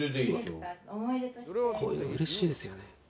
こういうのうれしいですよね。